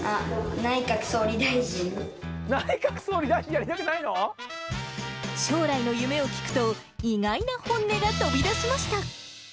内閣総理大臣、やりたくない将来の夢を聞くと、意外な本音が飛び出しました。